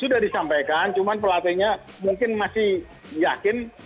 sudah disampaikan cuma pelatihnya mungkin masih yakin